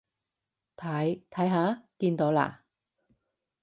睇，睇下，見到啦？